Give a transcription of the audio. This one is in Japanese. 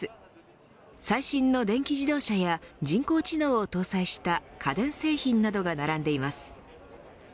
最新の電気自動車や人工知能を搭載した家電製品などが並んでいます。